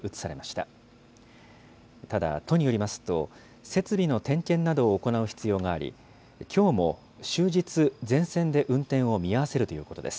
ただ、都によりますと、設備の点検などを行う必要があり、きょうも終日、全線で運転を見合わせるということです。